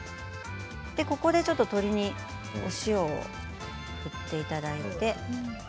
ここで、鶏肉にお塩を振っていただいて。